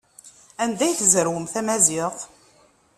Anda ay tzerwem tamaziɣt?